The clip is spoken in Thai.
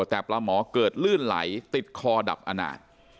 แต่ปลาหมอเกิดลื่นไหลติดคอดับอนาจ